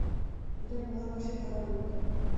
এটা মহাকাশে থাকার মত।